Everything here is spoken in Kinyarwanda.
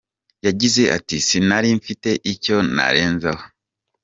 Yagize ati : “Sinari mfite icyo narenzaho.